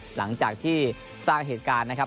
หลังจากที่สร้างเหตุการณ์นะครับ